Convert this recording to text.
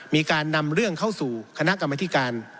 มีการนำเรื่องเข้าสู่คณะกรรมธิการ